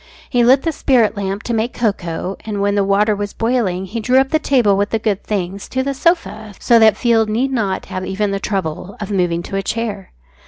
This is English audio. He lit the spirit lamp to make cocoa, and when the water was boiling he drew up the table with the good things to the sofa, so that Field need not have even the trouble of moving to a chair.